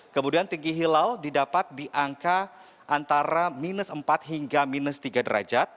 kemudian tinggi hilal didapat di angka antara minus empat hingga minus tiga derajat